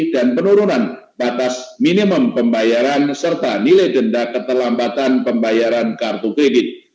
dan penurunan batas minimum pembayaran serta nilai denda ketelambatan pembayaran kartu kredit